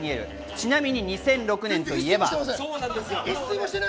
ちなみに２００６年といえば。